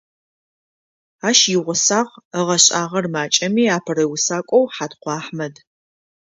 Ащ игъусагъ, ыгъэшӏагъэр макӏэми апэрэ усакӏоу Хьаткъо Ахьмэд.